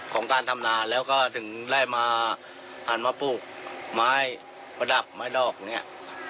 ของการทำนาแล้วก็ถึงได้มาหันมาปลูกไม้ประดับไม้ดอกอย่างนี้